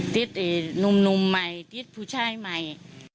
หนุ่มใหม่ติดผู้ชายใหม่